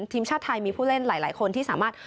ทีมชาติไทยมีผู้เล่นหลายคนที่สามารถ